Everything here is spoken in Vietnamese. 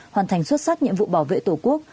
hoàn thành xuất sắc nhiệm vụ bảo vệ tổ quốc